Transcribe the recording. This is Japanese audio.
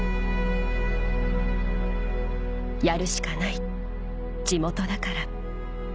「やるしかない地元だから」